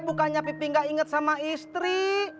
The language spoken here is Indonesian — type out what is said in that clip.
bukannya pipi gak ingat sama istri